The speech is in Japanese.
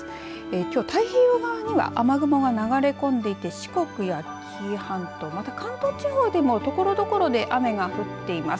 きょう太平洋側には雨雲が流れ込んでいて四国や紀伊半島また関東地方でもところどころで雨が降っています。